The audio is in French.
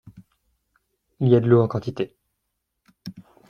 Il y a de l’eau en quantité.